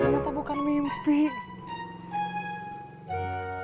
kalau lu lebih suka makan jari terusin aja